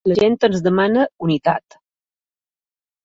La gent ens demana unitat.